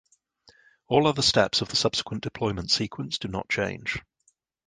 All other steps of the subsequent deployment sequence do not change.